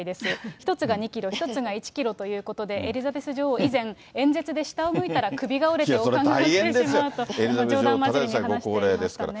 １つが２キロ、１つが１キロということで、エリザベス女王、以前、演説で下を向いたら首が折れて王冠が落ちてしまうと、エリザベス女王、高齢ですからね。